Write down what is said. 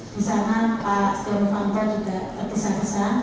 di sana pak setia rufanto juga tetesan tetesan